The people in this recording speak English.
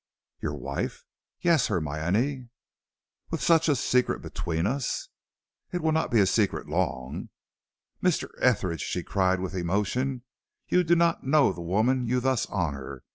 "Your wife?" "Yes, Hermione." "With such a secret between us?" "It will not be a secret long." "Mr. Etheridge," she cried with emotion, "you do not know the woman you thus honor.